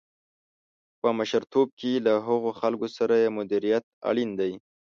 په مشرتوب کې له هغو خلکو سره یې مديريت اړين دی.